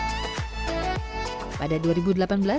angka ini meningkat sepuluh kali lipat dibandingkan sebelumnya